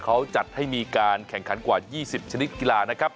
เขาจัดให้มีการแข่งขันกว่า๒๐ชนิดกีฬานะครับ